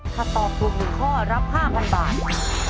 ถ้าตอบถูก๑ข้อรับ๕๐๐บาท